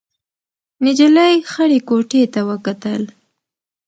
نجلۍ خړې کوټې ته وکتل.